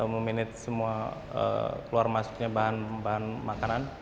memanage semua keluar masuknya bahan bahan makanan